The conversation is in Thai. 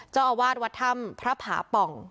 เจ้าอาวาสวัดถ้ำพระผาป่อง